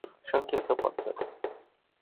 সংক্ষিপ্ত পথ ধরে।